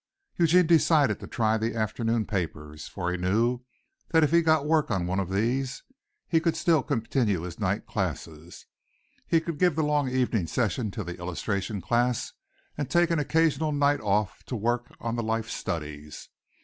Eugene decided to try the afternoon papers, for he knew that if he got work on one of these he could still continue his night classes. He could give the long evening session to the illustration class and take an occasional night off to work on the life studies.